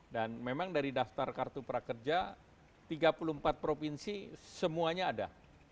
dan memang dari daftar kartu prakerja tiga puluh empat provinsi semuanya ada